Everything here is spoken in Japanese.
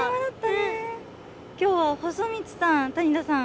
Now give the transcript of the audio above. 今日は細光さん谷田さん